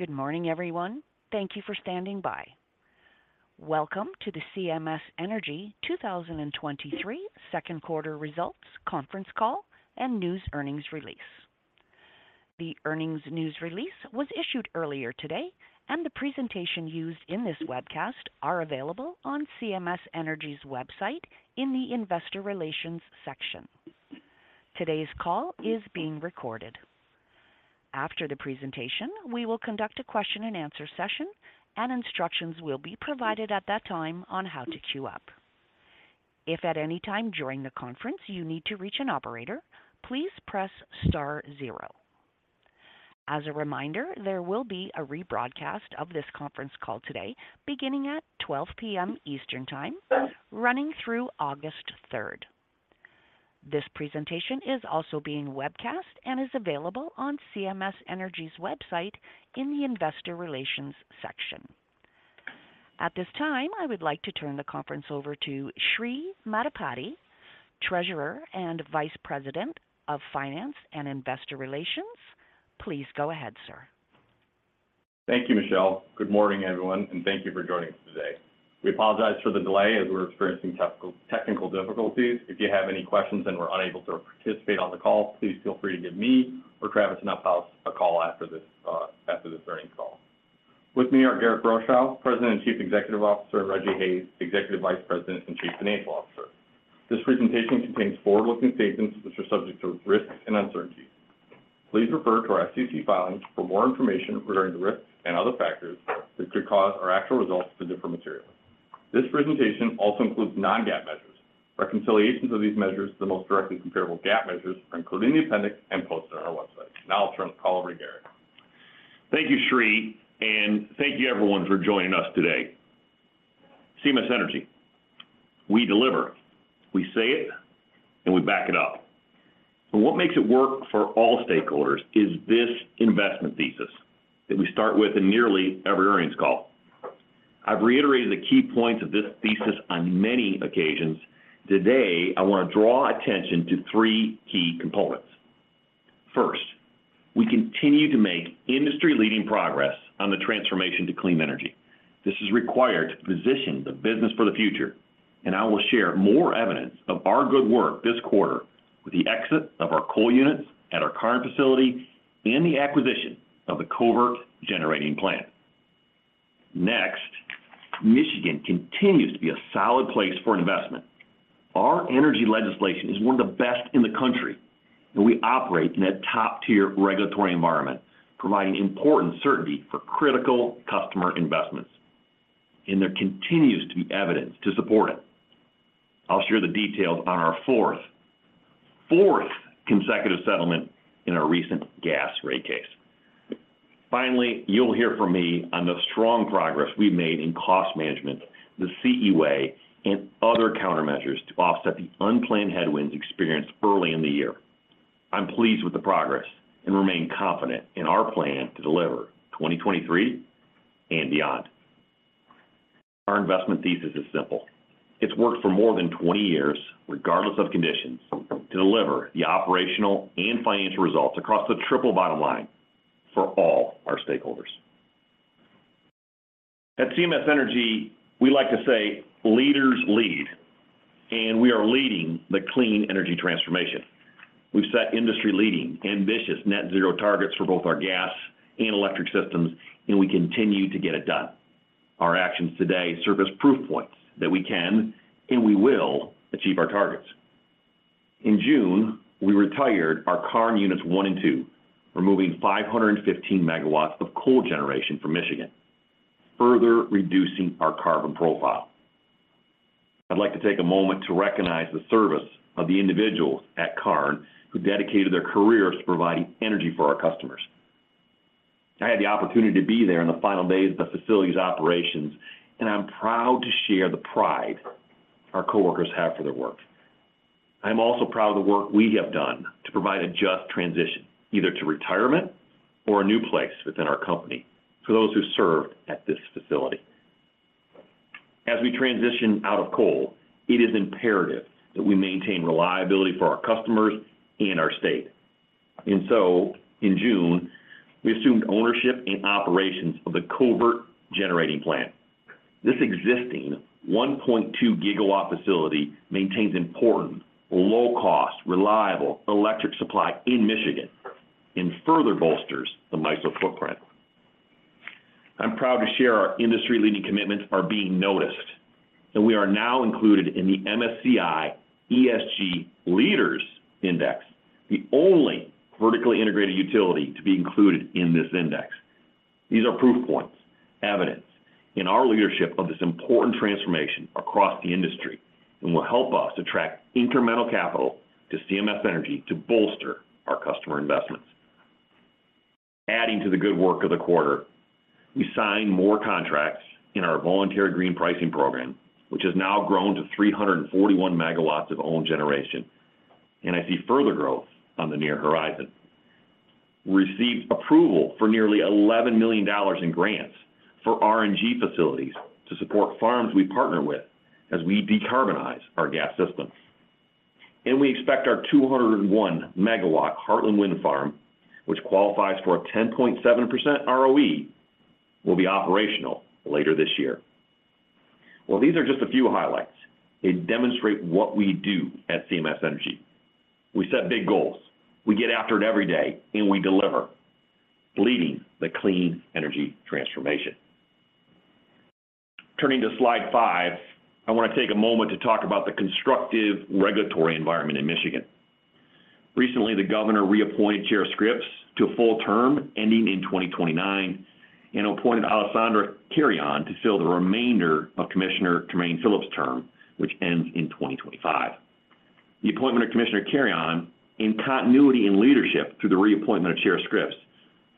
Good morning, everyone. Thank you for standing by. Welcome to the CMS Energy 2023 2Q Results conference call and news earnings release. The earnings news release was issued earlier today, and the presentation used in this webcast are available on CMS Energy's website in the Investor Relations section. Today's call is being recorded. After the presentation, we will conduct a question-and-answer session, and instructions will be provided at that time on how to queue up. If at any time during the conference you need to reach an operator, please press star zero. As a reminder, there will be a rebroadcast of this conference call today, beginning at 12:00 P.M. Eastern Time, running through August 3rd. This presentation is also being webcast and is available on CMS Energy's website in the Investor Relations section. At this time, I would like to turn the conference over to Sri Maddipati, Treasurer and Vice President of Finance and Investor Relations. Please go ahead, sir. Thank you, Michelle. Good morning, everyone, and thank you for joining us today. We apologize for the delay as we were experiencing technical difficulties. If you have any questions and were unable to participate on the call, please feel free to give me or Travis Uphaus a call after this earnings call. With me are Garrick Rochow, President and Chief Executive Officer, and Rejji P. Hayes, Executive Vice President and Chief Financial Officer. This presentation contains forward-looking statements which are subject to risks and uncertainties. Please refer to our SEC filings for more information regarding the risks and other factors that could cause our actual results to differ materially. This presentation also includes non-GAAP measures. Reconciliations of these measures to the most directly comparable GAAP measures are included in the appendix and posted on our website. I'll turn the call over to Garrick. Thank you, Sri, and thank you, everyone, for joining us today. CMS Energy, we deliver. We say it, and we back it up. What makes it work for all stakeholders is this investment thesis that we start with in nearly every earnings call. I've reiterated the key points of this thesis on many occasions. Today, I want to draw attention to three key components. First, we continue to make industry-leading progress on the transformation to clean energy. This is required to position the business for the future, and I will share more evidence of our good work this quarter with the exit of our coal units at our Karn facility and the acquisition of the Covert Generating Plant. Next, Michigan continues to be a solid place for investment. Our energy legislation is one of the best in the country, and we operate in a top-tier regulatory environment, providing important certainty for critical customer investments, and there continues to be evidence to support it. I'll share the details on our fourth consecutive settlement in our recent gas rate case. Finally, you'll hear from me on the strong progress we've made in cost management, the CE Way, and other countermeasures to offset the unplanned headwinds experienced early in the year. I'm pleased with the progress and remain confident in our plan to deliver 2023 and beyond. Our investment thesis is simple. It's worked for more than 20 years, regardless of conditions, to deliver the operational and financial results across the triple bottom line for all our stakeholders. At CMS Energy, we like to say, "Leaders lead," and we are leading the clean energy transformation. We've set industry-leading, ambitious net zero targets for both our gas and electric systems, and we continue to get it done. Our actions today serve as proof points that we can and we will achieve our targets. In June, we retired our Karn Units One and Two, removing 515 MW of coal generation from Michigan, further reducing our carbon profile. I'd like to take a moment to recognize the service of the individuals at Karn who dedicated their careers to providing energy for our customers. I had the opportunity to be there in the final days of the facility's operations, and I'm proud to share the pride our coworkers have for their work. I'm also proud of the work we have done to provide a just transition, either to retirement or a new place within our company, for those who served at this facility. As we transition out of coal, it is imperative that we maintain reliability for our customers and our state. In June, we assumed ownership and operations of the Covert Generating Plant. This existing 1.2-gigawatt facility maintains important, low-cost, reliable electric supply in Michigan and further bolsters the MISO footprint. I'm proud to share our industry-leading commitments are being noticed, and we are now included in the MSCI ESG Leaders Index, the only vertically integrated utility to be included in this index. These are proof points, evidence in our leadership of this important transformation across the industry and will help us attract incremental capital to CMS Energy to bolster our customer investments. Adding to the good work of the quarter, we signed more contracts in our voluntary green pricing program, which has now grown to 341 MW of owned generation. I see further growth on the near horizon. We received approval for nearly $11 million in grants for RNG facilities to support farms we partner with as we decarbonize our gas system. We expect our 201-MW Heartland Wind Farm, which qualifies for a 10.7% ROE, will be operational later this year. Well, these are just a few highlights. They demonstrate what we do at CMS Energy. We set big goals, we get after it every day, and we deliver, leading the clean energy transformation. Turning to slide 5, I want to take a moment to talk about the constructive regulatory environment in Michigan. Recently, the governor reappointed Chair Scripps to a full term ending in 2029, and appointed Alessandra Carreon to fill the remainder of Commissioner Tremaine Phillips' term, which ends in 2025. The appointment of Commissioner Carreon, in continuity in leadership through the reappointment of Chair Scripps,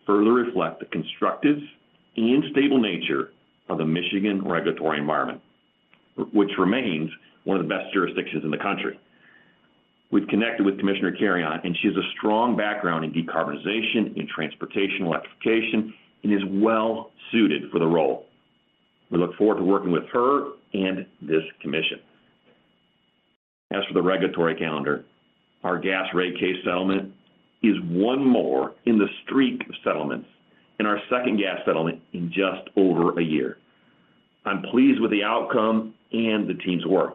further reflect the constructive and stable nature of the Michigan regulatory environment, which remains one of the best jurisdictions in the country. We've connected with Commissioner Carreon, and she has a strong background in decarbonization and transportation electrification, and is well-suited for the role. We look forward to working with her and this commission. As for the regulatory calendar, our gas rate case settlement is 1 more in the streak of settlements, and our second gas settlement in just over a year. I'm pleased with the outcome and the team's work.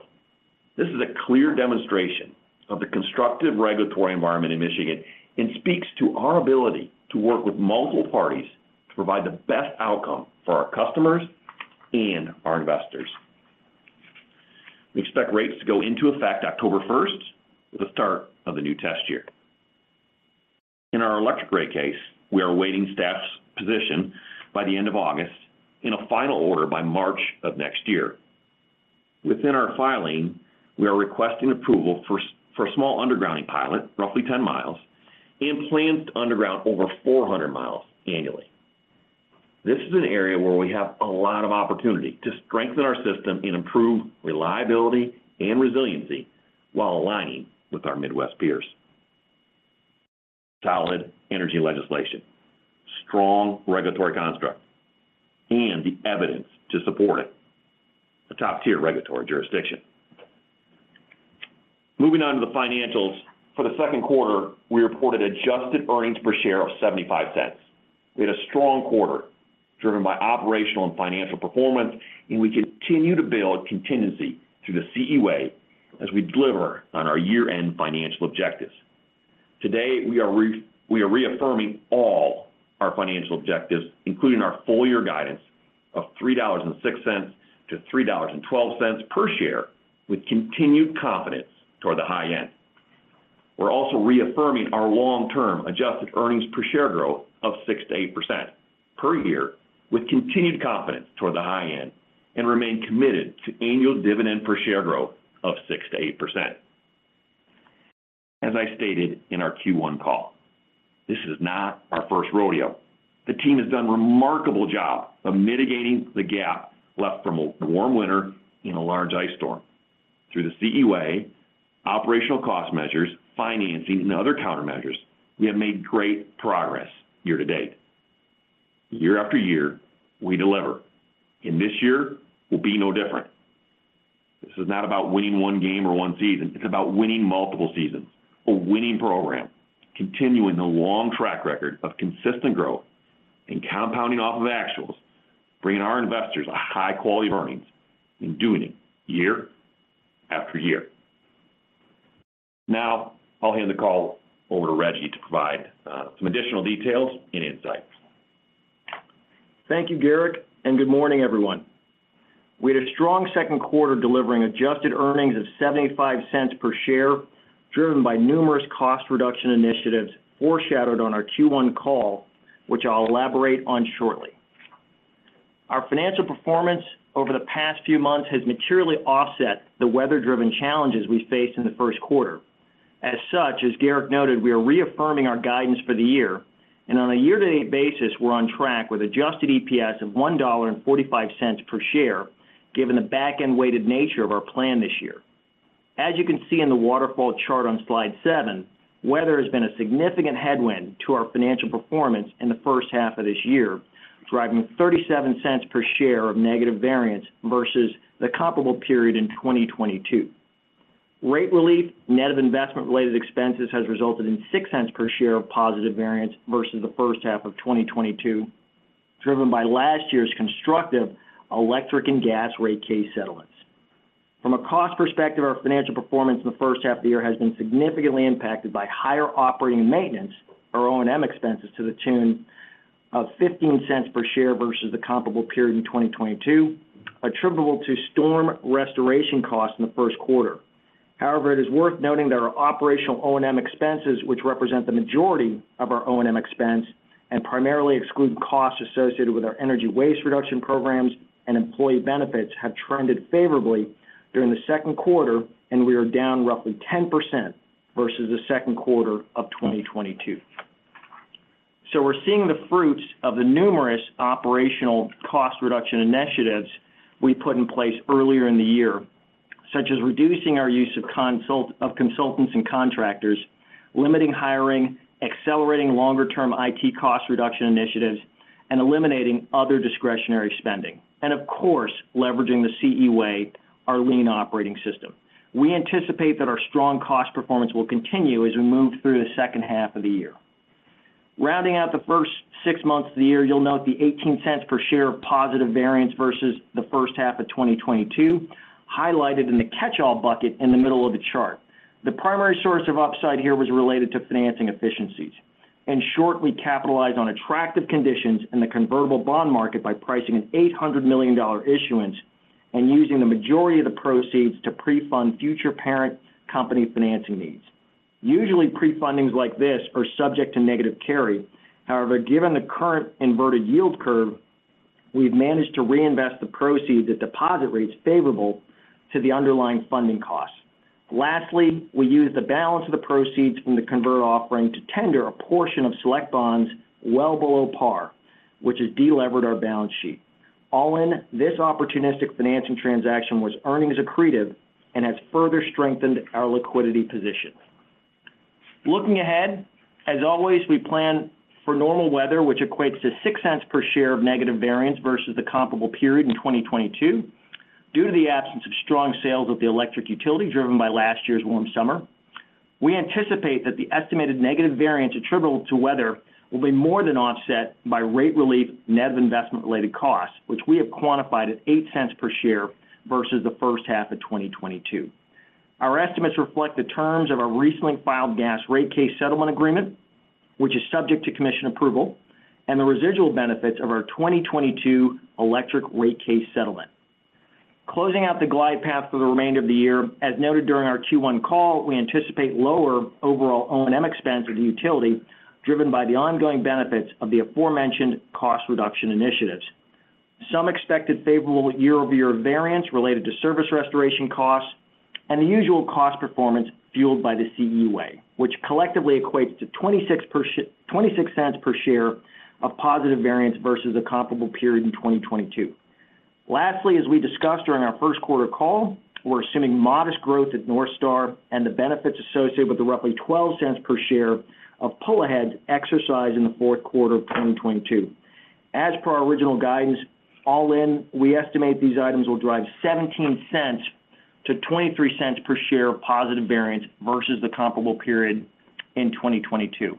This is a clear demonstration of the constructive regulatory environment in Michigan and speaks to our ability to work with multiple parties to provide the best outcome for our customers and our investors. We expect rates to go into effect October 1st, the start of the new test year. In our electric rate case, we are awaiting staff's position by the end of August, and a final order by March of next year. Within our filing, we are requesting approval for a small undergrounding pilot, roughly 10 miles, and plan to underground over 400 miles annually. This is an area where we have a lot of opportunity to strengthen our system and improve reliability and resiliency while aligning with our Midwest peers. Solid energy legislation, strong regulatory construct, and the evidence to support it. A top-tier regulatory jurisdiction. Moving on to the financials. For the second quarter, we reported adjusted earnings per share of $0.75. We had a strong quarter, driven by operational and financial performance, and we continue to build contingency through the CEA as we deliver on our year-end financial objectives. Today, we are reaffirming all our financial objectives, including our full year guidance of $3.06-$3.12 per share, with continued confidence toward the high end. We're also reaffirming our long-term adjusted earnings per share growth of 6%-8% per year, with continued confidence toward the high end, and remain committed to annual dividend per share growth of 6%-8%. As I stated in our Q1 call, this is not our first rodeo. The team has done a remarkable job of mitigating the gap left from a warm winter in a large ice storm. Through the CEA, operational cost measures, financing, and other countermeasures, we have made great progress year to date. Year after year, we deliver, and this year will be no different. This is not about winning one game or one season; it's about winning multiple seasons. A winning program, continuing a long track record of consistent growth and compounding off of actuals, bringing our investors high-quality earnings and doing it year after year. Now, I'll hand the call over to Rejji to provide some additional details and insights. Thank you, Garrick. Good morning, everyone. We had a strong second quarter, delivering adjusted earnings of $0.75 per share, driven by numerous cost reduction initiatives foreshadowed on our Q1 call, which I'll elaborate on shortly. Our financial performance over the past few months has materially offset the weather-driven challenges we faced in the first quarter. As such, as Garrick noted, we are reaffirming our guidance for the year. On a year-to-date basis, we're on track with adjusted EPS of $1.45 per share, given the back-end-weighted nature of our plan this year. As you can see in the waterfall chart on slide 7, weather has been a significant headwind to our financial performance in the first half of this year, driving $0.37 per share of negative variance versus the comparable period in 2022. Rate relief, net of investment-related expenses, has resulted in $0.06 per share of positive variance versus the first half of 2022, driven by last year's constructive electric and gas rate case settlements. From a cost perspective, our financial performance in the first half of the year has been significantly impacted by higher operating and maintenance, or O&M expenses, to the tune of $0.15 per share versus the comparable period in 2022, attributable to storm restoration costs in the first quarter. However, it is worth noting that our operational O&M expenses, which represent the majority of our O&M expense and primarily exclude costs associated with our Energy Waste Reduction programs and employee benefits, have trended favorably during the second quarter, and we are down roughly 10% versus the second quarter of 2022. We're seeing the fruits of the numerous operational cost reduction initiatives we put in place earlier in the year, such as reducing our use of consultants and contractors, limiting hiring, accelerating longer-term IT cost reduction initiatives, and eliminating other discretionary spending, and of course, leveraging the CE Way, our lean operating system. We anticipate that our strong cost performance will continue as we move through the second half of the year. Rounding out the first six months of the year, you'll note the $0.18 per share of positive variance versus the first half of 2022, highlighted in the catch-all bucket in the middle of the chart. The primary source of upside here was related to financing efficiencies. In short, we capitalized on attractive conditions in the convertible bond market by pricing an $800 million issuance and using the majority of the proceeds to pre-fund future parent company financing needs. Usually, pre-fundings like this are subject to negative carry. Given the current inverted yield curve, we've managed to reinvest the proceeds at deposit rates favorable to the underlying funding costs. Lastly, we used the balance of the proceeds from the convertible offering to tender a portion of select bonds well below par, which has delevered our balance sheet. All in, this opportunistic financing transaction was earnings accretive and has further strengthened our liquidity position. Looking ahead, as always, we plan for normal weather, which equates to $0.06 per share of negative variance versus the comparable period in 2022. Due to the absence of strong sales of the electric utility, driven by last year's warm summer, we anticipate that the estimated negative variance attributable to weather will be more than offset by rate relief, net of investment-related costs, which we have quantified at $0.08 per share versus the first half of 2022. Our estimates reflect the terms of our recently filed gas rate case settlement agreement, which is subject to commission approval, and the residual benefits of our 2022 electric rate case settlement. Closing out the glide path for the remainder of the year, as noted during our Q1 call, we anticipate lower overall O&M expense of the utility, driven by the ongoing benefits of the aforementioned cost reduction initiatives. Some expected favorable year-over-year variance related to service restoration costs and the usual cost performance fueled by the CE Way, which collectively equates to $0.26 per share of positive variance versus the comparable period in 2022. Lastly, as we discussed during our first quarter call, we're assuming modest growth at NorthStar and the benefits associated with the roughly $0.12 per share of pull-aheads exercised in the fourth quarter of 2022. As per our original guidance, all in, we estimate these items will drive $0.17-$0.23 per share of positive variance versus the comparable period in 2022.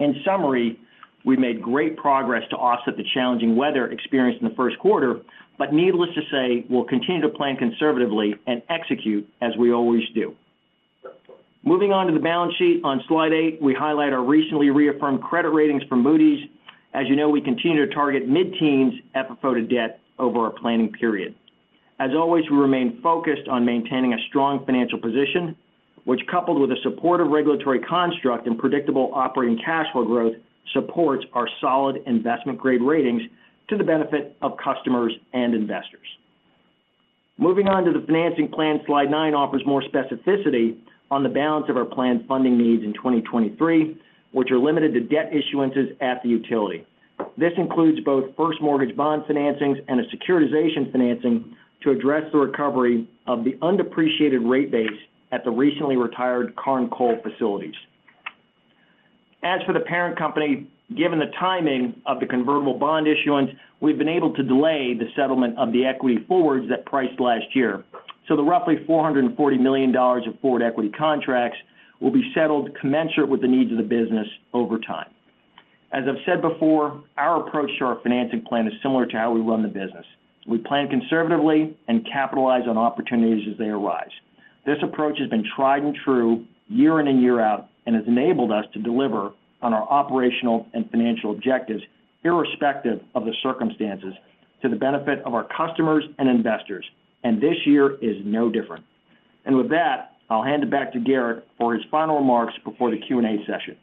In summary, we made great progress to offset the challenging weather experienced in the first quarter, but needless to say, we'll continue to plan conservatively and execute as we always do. Moving on to the balance sheet. On slide 8, we highlight our recently reaffirmed credit ratings from Moody's. As you know, we continue to target mid-teens EBITDA debt over our planning period. As always, we remain focused on maintaining a strong financial position, which, coupled with a supportive regulatory construct and predictable operating cash flow growth, supports our solid investment-grade ratings to the benefit of customers and investors. Moving on to the financing plan, slide 9 offers more specificity on the balance of our planned funding needs in 2023, which are limited to debt issuances at the utility. This includes both first mortgage bond financings and a securitization financing to address the recovery of the undepreciated rate base at the recently retired Karn Coal facilities. As for the parent company, given the timing of the convertible bond issuance, we've been able to delay the settlement of the equity forwards that priced last year. The roughly $440 million of forward equity contracts will be settled commensurate with the needs of the business over time. As I've said before, our approach to our financing plan is similar to how we run the business. We plan conservatively and capitalize on opportunities as they arise. This approach has been tried and true year in and year out, and has enabled us to deliver on our operational and financial objectives, irrespective of the circumstances, to the benefit of our customers and investors, and this year is no different. With that, I'll hand it back to Garrick for his final remarks before the Q&A session.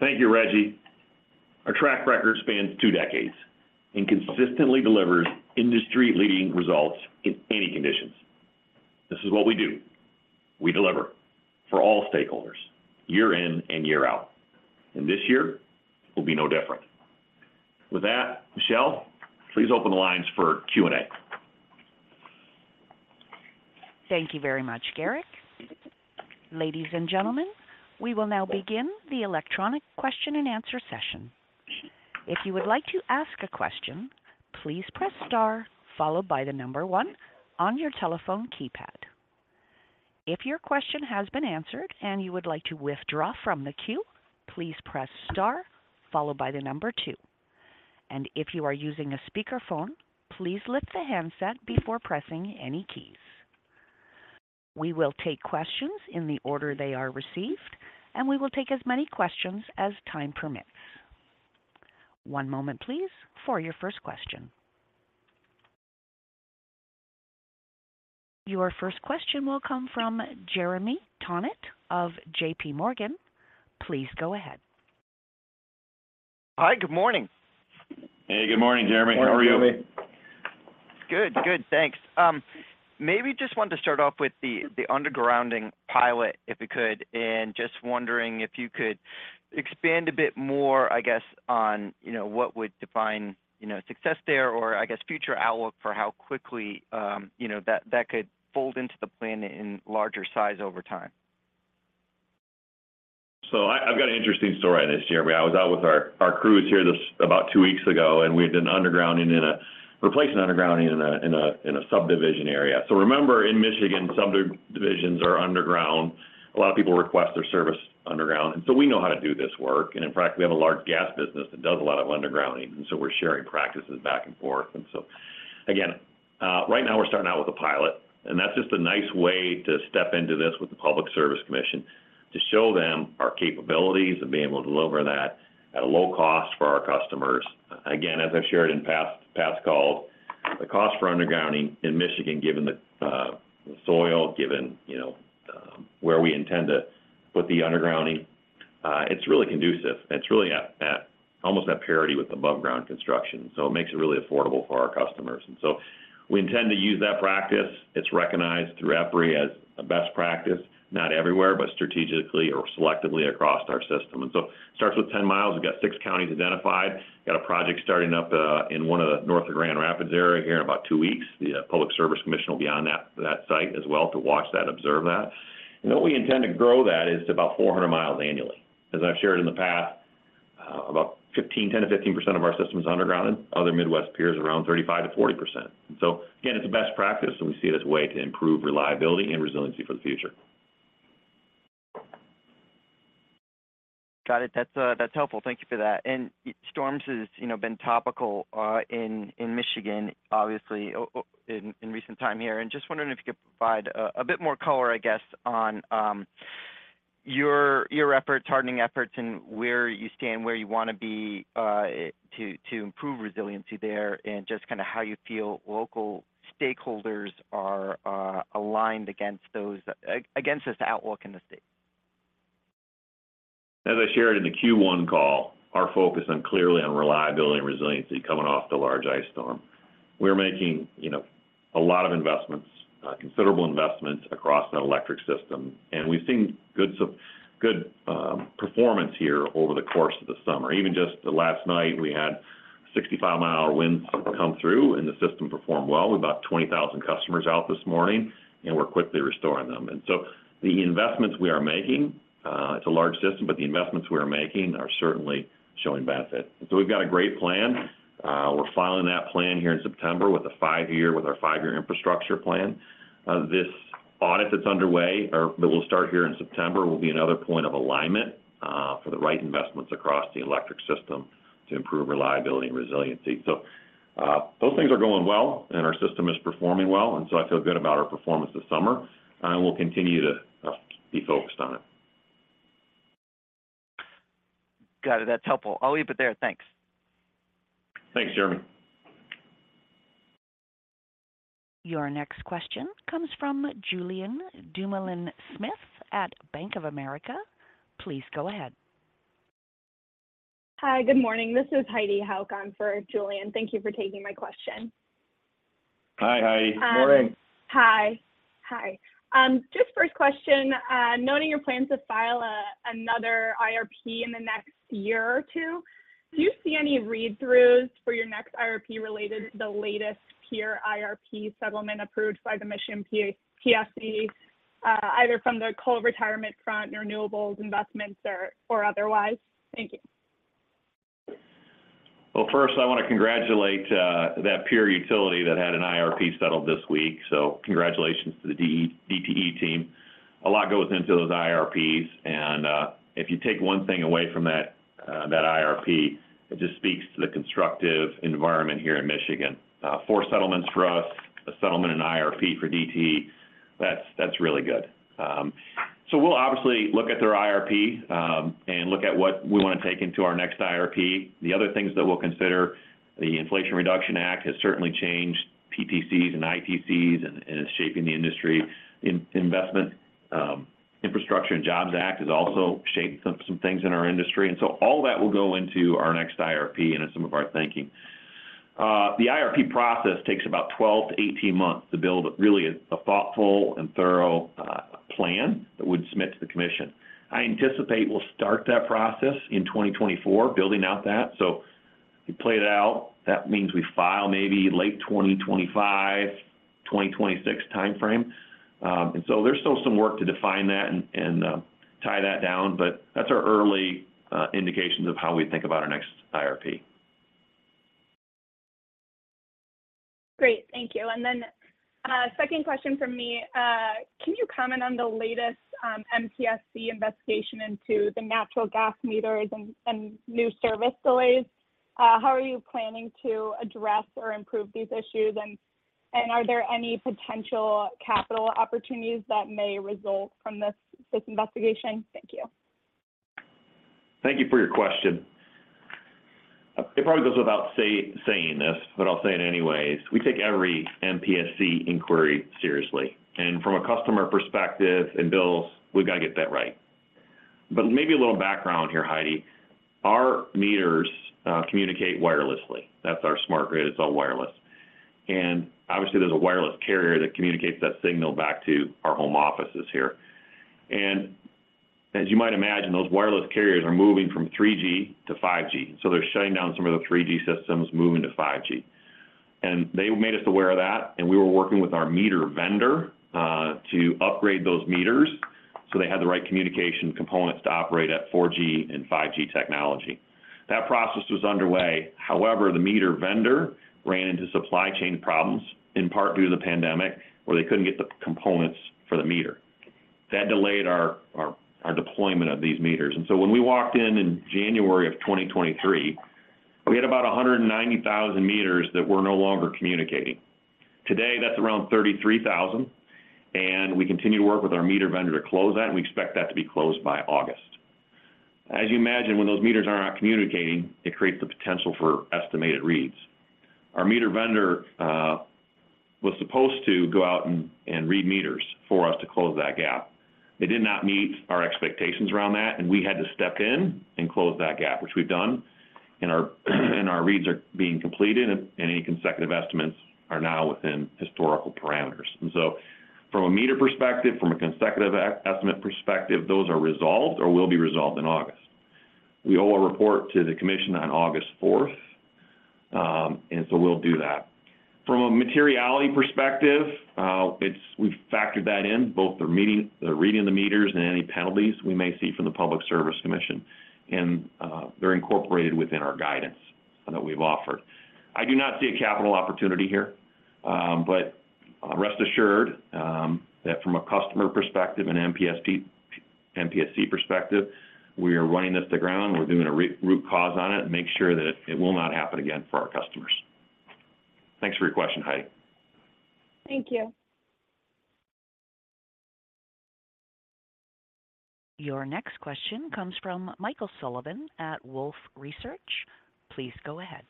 Thank you, Rejji. Our track record spans two decades and consistently delivers industry-leading results in any conditions. This is what we do. We deliver for all stakeholders, year in and year out, and this year will be no different. With that, Michelle, please open the lines for Q&A. Thank you very much, Garrick. Ladies and gentlemen, we will now begin the electronic question-and-answer session. If you would like to ask a question, please press star followed by one on your telephone keypad. If your question has been answered and you would like to withdraw from the queue, please press star followed by two. If you are using a speakerphone, please lift the handset before pressing any keys. We will take questions in the order they are received, and we will take as many questions as time permits. one moment, please, for your first question. Your first question will come from Jeremy Tonet of JPMorgan. Please go ahead. Hi, good morning. Hey, good morning, Jeremy. How are you? Good. Thanks. Maybe just wanted to start off with the undergrounding pilot, if we could, and just wondering if you could expand a bit more, I guess, on, you know, what would define, you know, success there, or I guess, future outlook for how quickly, you know, that could fold into the plan in larger size over time? I, I've got an interesting story on this, Jeremy. I was out with our crews here just about two weeks ago. We had been undergrounding replacing undergrounding in a subdivision area. Remember, in Michigan, subdivisions are underground. A lot of people request their service underground. We know how to do this work. In fact, we have a large gas business that does a lot of undergrounding. We're sharing practices back and forth. Again, right now we're starting out with a pilot. That's just a nice way to step into this with the Public Service Commission, to show them our capabilities of being able to deliver that at a low cost for our customers. Again, as I've shared in past calls, the cost for undergrounding in Michigan, given the soil, given, you know, where we intend to put the undergrounding, it's really conducive. It's really at almost at parity with aboveground construction, so it makes it really affordable for our customers. We intend to use that practice. It's recognized through EPRI as a best practice, not everywhere, but strategically or selectively across our system. It starts with 10 miles. We've got 6 counties identified, got a project starting up in one of the north of Grand Rapids area here in about 2 weeks. The Public Service Commission will be on that site as well to watch that, observe that. What we intend to grow that is to about 400 miles annually. As I've shared in the past, about 15, 10%-15% of our system is undergrounded. Other Midwest peers, around 35%-40%. Again, it's a best practice, and we see it as a way to improve reliability and resiliency for the future. Got it. That's helpful. Thank you for that. Storms has, you know, been topical in Michigan, obviously, in recent time here. Just wondering if you could provide a bit more color, I guess, on your efforts, hardening efforts, and where you stand, where you want to be to improve resiliency there, and just kind of how you feel local stakeholders are aligned against those, against this outlook in the state. As I shared in the Q1 call, our focus on clearly on reliability and resiliency coming off the large ice storm. We're making, you know, a lot of investments, considerable investments across the electric system, and we've seen good performance here over the course of the summer. Even just last night, we had 65 mile an hour winds come through, and the system performed well. We've about 20,000 customers out this morning, and we're quickly restoring them. The investments we are making, it's a large system, but the investments we are making are certainly showing benefit. We've got a great plan. We're filing that plan here in September with our 5-year infrastructure plan. This audit that's underway or that will start here in September, will be another point of alignment for the right investments across the electric system to improve reliability and resiliency. Those things are going well, and our system is performing well, and so I feel good about our performance this summer, and we'll continue to be focused on it. Got it. That's helpful. I'll leave it there. Thanks. Thanks, Jeremy. Your next question comes from Julien Dumoulin-Smith at Bank of America. Please go ahead. Hi, good morning. This is Heidi Hauch on for Julien. Thank you for taking my question. Hi, Heidi. Um- Morning. Hi. Hi. Just first question, noting your plan to file another IRP in the next year or two, do you see any read-throughs for your next IRP related to the latest peer IRP settlement approved by the Michigan PSC, either from the coal retirement front, renewables investments or otherwise? Thank you. Well, first, I want to congratulate that peer utility that had an IRP settled this week. Congratulations to the DTE team. A lot goes into those IRPs, and if you take one thing away from that IRP, it just speaks to the constructive environment here in Michigan. Four settlements for us, a settlement and IRP for DTE, that's really good. So we'll obviously look at their IRP and look at what we want to take into our next IRP. The other things that we'll consider, the Inflation Reduction Act has certainly changed PTCs and ITCs, and it's shaping the industry. Investment, Infrastructure and Jobs Act has also shaped some things in our industry, and all that will go into our next IRP and in some of our thinking. The IRP process takes about 12-18 months to build really a thoughtful and thorough plan that we'd submit to the Commission. I anticipate we'll start that process in 2024, building out that, so if we play it out, that means we file maybe late 2025, 2026 timeframe. There's still some work to define that and tie that down, but that's our early indications of how we think about our next IRP. Great. Thank you. Then, second question from me. Can you comment on the latest MPSC investigation into the natural gas meters and new service delays? How are you planning to address or improve these issues? Are there any potential capital opportunities that may result from this investigation? Thank you. Thank you for your question. It probably goes without saying this, but I'll say it anyways. We take every MPSC inquiry seriously, and from a customer perspective and bills, we've got to get that right. Maybe a little background here, Heidi. Our meters communicate wirelessly. That's our smart grid, it's all wireless. Obviously, there's a wireless carrier that communicates that signal back to our home offices here. As you might imagine, those wireless carriers are moving from 3G to 5G, so they're shutting down some of the 3G systems, moving to 5G. They made us aware of that, and we were working with our meter vendor to upgrade those meters, so they had the right communication components to operate at 4G and 5G technology. That process was underway. However, the meter vendor ran into supply chain problems, in part due to the pandemic, where they couldn't get the components for the meter. That delayed our deployment of these meters. When we walked in in January of 2023, we had about 190,000 meters that were no longer communicating. Today, that's around 33,000, we continue to work with our meter vendor to close that, we expect that to be closed by August. As you imagine, when those meters are not communicating, it creates the potential for estimated reads. Our meter vendor was supposed to go out and read meters for us to close that gap. They did not meet our expectations around that, and we had to step in and close that gap, which we've done, and our reads are being completed and any consecutive estimates are now within historical parameters. From a meter perspective, from a consecutive e-estimate perspective, those are resolved or will be resolved in August. We owe a report to the commission on August fourth, and so we'll do that. From a materiality perspective, we've factored that in, both the meeting, the reading of the meters and any penalties we may see from the Public Service Commission. They're incorporated within our guidance that we've offered. I do not see a capital opportunity here, but rest assured, that from a customer perspective and MPSC perspective, we are running this to ground. We're doing a root cause on it and make sure that it will not happen again for our customers. Thanks for your question, Heidi. Thank you. Your next question comes from Michael Sullivan at Wolfe Research. Please go ahead.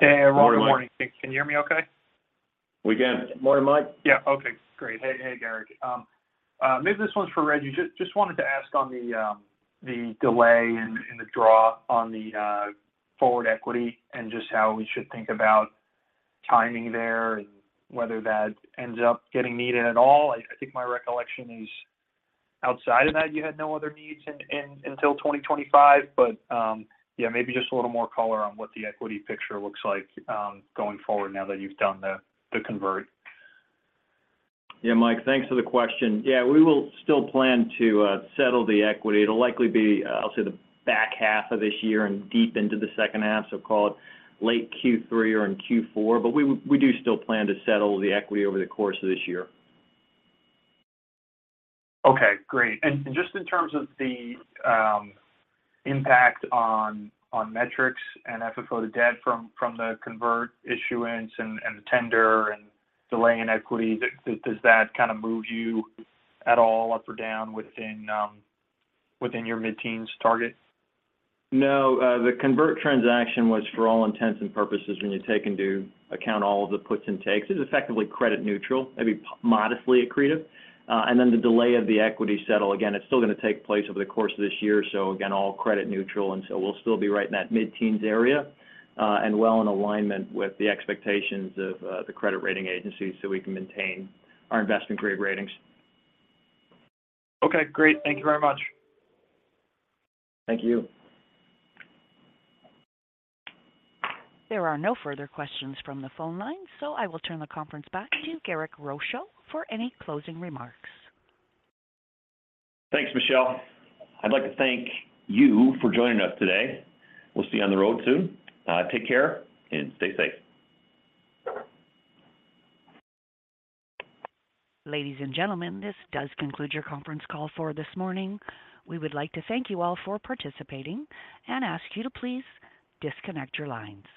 Hey, everyone. Good morning. Can you hear me okay? We can. Morning, Mike. Okay, great. Hey, Garrick. Maybe this one's for Rejji. Just wanted to ask on the delay in the draw on the forward equity and just how we should think about timing there and whether that ends up getting needed at all. I think my recollection is outside of that, you had no other needs until 2025. Maybe just a little more color on what the equity picture looks like going forward now that you've done the convert. Yeah, Mike, thanks for the question. Yeah, we will still plan to settle the equity. It'll likely be, I'll say, the back half of this year and deep into the second half, so call it late Q3 or in Q4, but we do still plan to settle the equity over the course of this year. Okay, great. just in terms of the impact on metrics and FFO to debt from the convert issuance and the tender and delay in equity, does that kind of move you at all up or down within your mid-teens target? No, the convert transaction was, for all intents and purposes, when you take into account all of the puts and takes, it's effectively credit neutral, maybe modestly accretive. The delay of the equity settle again, it's still going to take place over the course of this year. Again, all credit neutral, and so we'll still be right in that mid-teens area, and well in alignment with the expectations of the credit rating agencies, so we can maintain our investment-grade ratings. Okay, great. Thank you very much. Thank you. There are no further questions from the phone line. I will turn the conference back to Garrick Rochow for any closing remarks. Thanks, Michelle. I'd like to thank you for joining us today. We'll see you on the road soon. Take care and stay safe. Ladies and gentlemen, this does conclude your conference call for this morning. We would like to thank you all for participating and ask you to please disconnect your lines.